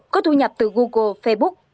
có thu nhập từ google facebook